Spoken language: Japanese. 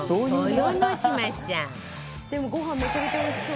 藤本：でも、ごはんめちゃめちゃおいしそう。